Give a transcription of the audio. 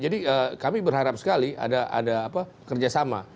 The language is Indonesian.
jadi kami berharap sekali ada kerjasama